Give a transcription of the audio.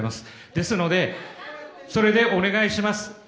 ですので、それでお願いします。